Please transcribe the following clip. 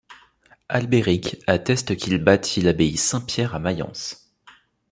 Albéric atteste qu'il bâtit l'abbaye Saint-Pierre à Mayence.